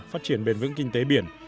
phát triển bền vững kinh tế biển